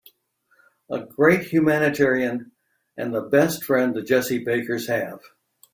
A great humanitarian and the best friend the Jessie Bakers have.